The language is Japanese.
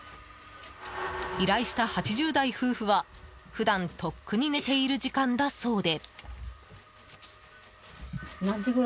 依頼した８０代夫婦は普段とっくに寝ている時間だそうで。